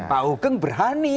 pak hugeng berani